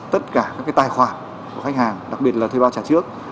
tất cả các tài khoản của khách hàng đặc biệt là thuê bao trả trước